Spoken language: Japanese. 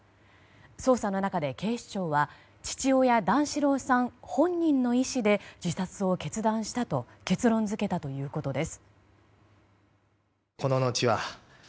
捜査の中で警視庁は父親段四郎さん本人の意思で自殺を決断したと結論付けたということです。